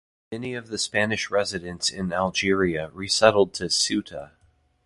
Many of the Spanish residents in Algeria resettled to Ceuta.